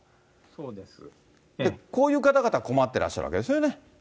こういう方々は困ってらっしゃるわけですよね。